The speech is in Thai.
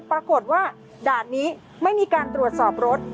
ปรากฏว่าด่านนี้ไม่มีการตรวจสอบรถ